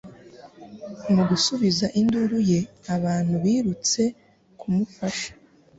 Mu gusubiza induru ye abantu birutse kumufasha